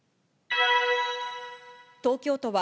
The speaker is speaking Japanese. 東京都は、